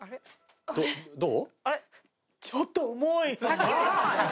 どう？